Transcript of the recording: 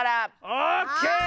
オッケー！